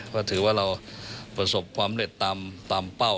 ก็ถือว่าเราประสบความเร็จตามเป้า